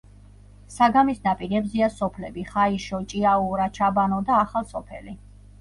საგამის ნაპირებზეა სოფლები ხაიშო, ჭიაურა, ჩაბანო და ახალსოფელი.